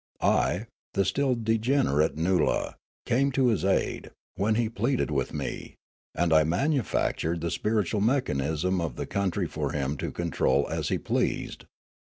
I, the still degenerate Noola, came to his aid, when he pleaded with me ; and I manufactured the spiritual mechanism of the country for him to control as he pleased.